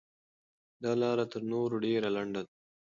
دا لاره تر نورو ډېره لنډه ده.